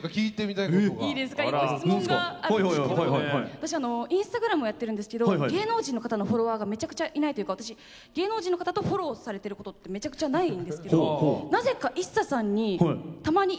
私インスタグラムをやってるんですけど芸能人の方のフォロワーがめちゃくちゃいないというか私芸能人の方とフォローされてることってめちゃくちゃないんですけど何だ？